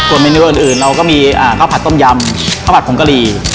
เมนูอื่นเราก็มีข้าวผัดต้มยำข้าวผัดผงกะหรี่